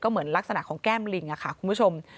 เหมือนลักษณะของแก้มลิงค่ะคุณผู้ชม